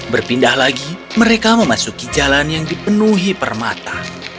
berpindah lagi mereka memasuki jalan yang dipenuhi permata